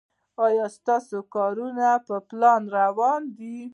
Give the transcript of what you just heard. ایا ستاسو کارونه په پلان روان دي؟